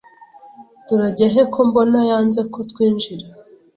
Turajya he ko mbona yanze ko twinjira?